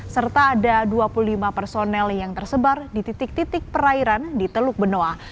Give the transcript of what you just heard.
serta ada dua puluh lima personel yang tersebar di titik titik perairan di teluk benoa